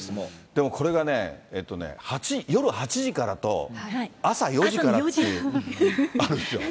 でもこれがね、えっとね、夜８時からと朝４時からってあるんですよ。